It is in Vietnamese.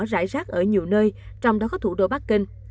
rải rác ở nhiều nơi trong đó có thủ đô bắc kinh